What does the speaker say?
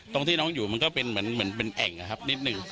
ตรงที่น้องอยู่มันก็เป็นเหมือนแอ่งครับนิดหนึ่ง